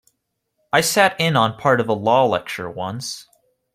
I sat in on part of a law lecture once.